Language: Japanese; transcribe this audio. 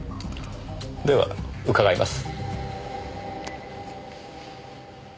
では伺います。